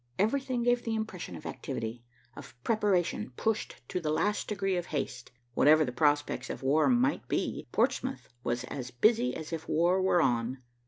Everything gave the impression of activity, of preparation pushed to the last degree of haste. Whatever the prospects of war might be, Portsmouth was as busy as if war were on.